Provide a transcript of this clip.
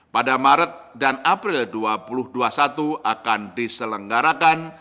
pada maret dan april dua ribu dua puluh satu akan diselenggarakan